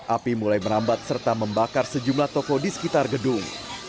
api mulai merambat serta membakar sejumlah toko di sekitar gedung